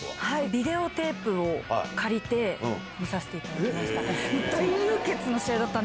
ビデオテープを借りて、見させていただきました。